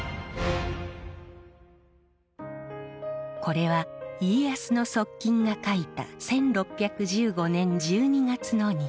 これは家康の側近が書いた１６１５年１２月の日記。